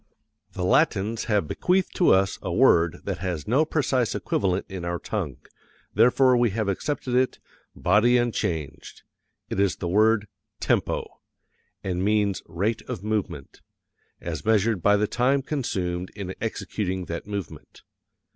The Latins have bequeathed to us a word that has no precise equivalent in our tongue, therefore we have accepted it, body unchanged it is the word tempo, and means rate of movement, as measured by the time consumed in executing that movement.